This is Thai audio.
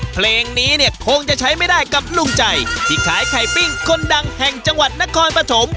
เพลงนี้เนี่ยคงจะใช้ไม่ได้กับลุงใจที่ขายไข่ปิ้งคนดังแห่งจังหวัดนครปฐม